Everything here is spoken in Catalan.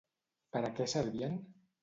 Per a què servien?